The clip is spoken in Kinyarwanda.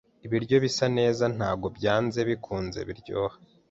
Ibiryo bisa neza ntabwo byanze bikunze biryoha.